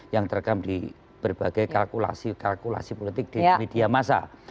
yang terekam di berbagai kalkulasi kalkulasi politik di media masa